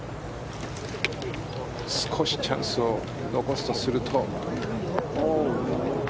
少しチャンスを残すとすると。